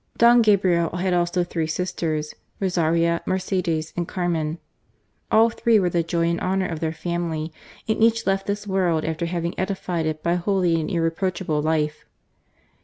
Don pabriel had also three sisters, Rosario, Mercedes, and Carmen. All three were the joy and honour of their family, and each left this world after having edified it by a holy and irreproachable life.